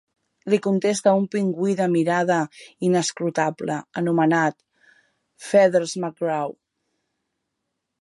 Li contesta un pingüí de mirada inescrutable anomenat Feathers McGraw.